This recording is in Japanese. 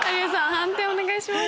判定お願いします。